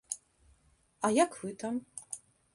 А як вы там?